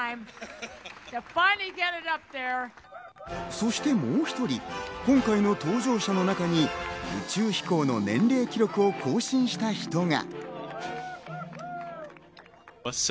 そしてもう１人、今回の搭乗者の中に宇宙飛行の年齢記録を更新した人が。